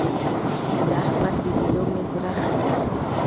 د احمد په ليدو مې زړه ښه کړ.